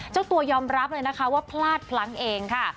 เจ้าตัวยอมรับเลยนะคะว่าพลาดพลั้งเองค่ะ